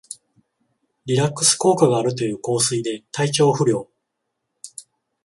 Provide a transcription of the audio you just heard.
リラックス効果があるという香水で体調不良